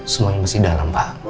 semuanya masih dalam pak